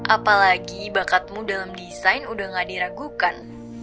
apalagi bakatmu dalam desain udah gak diragukan